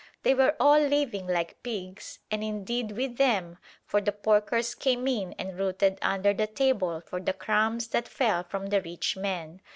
They were all living like pigs and indeed with them, for the porkers came in and rooted under the table for the crumbs that fell from the rich men.